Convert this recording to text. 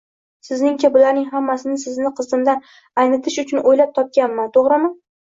Sizningcha, bularning hammasini sizni qizimdan aynitish uchun o`ylab topganman, to`g`rimi